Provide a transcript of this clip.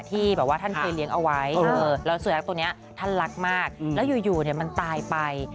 ที่แบบว่าท่านเคยเลี้ยงเอาไว้แล้วสุนัขตัวนี้ท่านรักมากแล้วอยู่มันตายไป